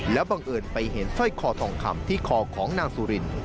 แล้วบังเอิญไปเห็นสร้อยคอทองคำที่คอของนางสุริน